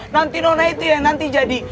nanti nona itu yang nanti jadi